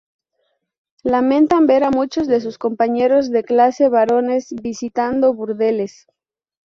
Lamentan ver a muchos de sus compañeros de clase varones visitando burdeles.